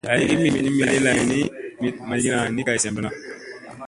Aygi mit ni miɗi lay ni mit maygina ni kay sem lona lay.